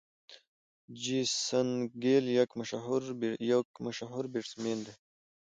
جیسن ګيل یک مشهور بيټسمېن دئ.